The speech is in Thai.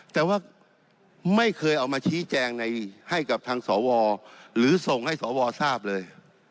แต่ว่าไม่เคยเอามาชี้แจงให้กับทางสวหรือส่งให้สวทราบเลย